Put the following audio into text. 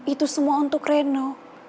itu semua untuk reno